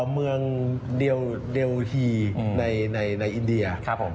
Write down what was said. เมืองเดลฮีในอินเดีย